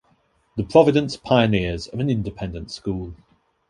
The Providence Pioneers are an independent school.